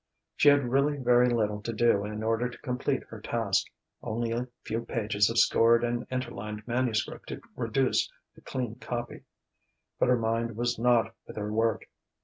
She had really very little to do in order to complete her task only a few pages of scored and interlined manuscript to reduce to clean copy; but her mind was not with her work.